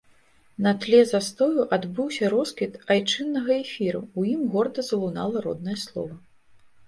На тле застою адбыўся росквіт айчыннага эфіру, у ім горда залунала роднае слова.